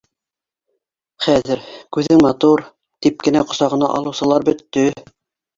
Хәҙер, күҙең матур, тип кенә ҡосағына алыусылар бөттө